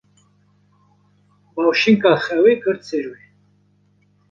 Bawşînka xewê girt ser wî.